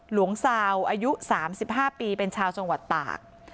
หลวงสาวอายุสามสิบห้าปีเป็นชาวจังหวัดตาก